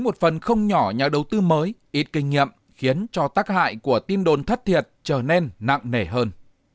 ủng hộ nhà đầu tư mới ít kinh nghiệm khiến cho tác hại của tin đồn thất thiệt trở nên nặng nể hơn